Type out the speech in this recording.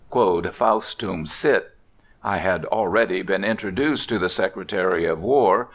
Quod faustum sit, ... I had already been introduced to the Secretary of War.....